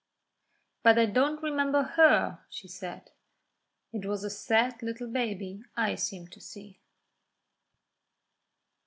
"But I don't remember her," she said. "It was a sad little baby I seemed to see."